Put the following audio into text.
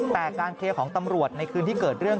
แต่การเคลียร์ของตำรวจในคืนที่เกิดเรื่อง